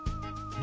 何？